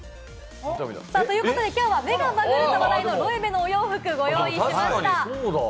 ということで今日は目がバグると話題のロエベのお洋服、ご用意しました。